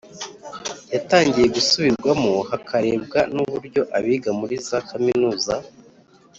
yatangiye gusubirwamo hakarebwa n'uburyo abiga muri za kaminuza